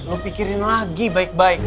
lo pikirin lagi baik baik